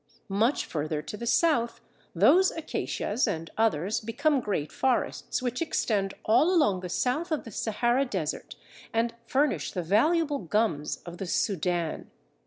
Much further to the south, those acacias and others become great forests which extend all along the south of the Sahara Desert and furnish the valuable gums of the Soudan.